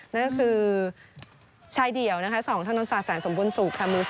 นั่นก็คือชายเดี่ยวนะคะสองธนุษย์ศาสตร์แสนสมบุญสุขค่ะ